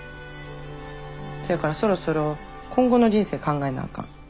そやからそろそろ今後の人生考えなあかん。